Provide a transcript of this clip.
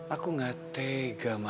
aku gak setia